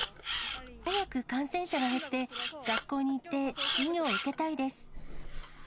早く感染者が減って、学校に行って授業を受けたいです。